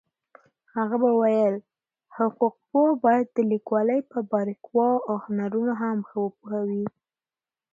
هغە به ویل هر حقوقپوه باید د لیکوالۍ په باريكييواو هنرونو هم ښه پوهوي.